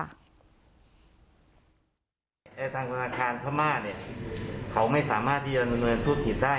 แอร์ทางธนาคารธมะเนี่ยเขาไม่สามารถที่จะละเมินพูดผิดได้